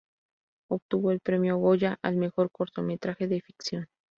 Obtuvo el Premio Goya al mejor cortometraje de ficción.